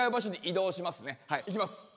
行きます。